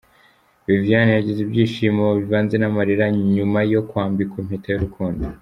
Viviane yagize ibyishimo bivanze n'amarira nyuma yo kwambikwa impeta y'urukundo.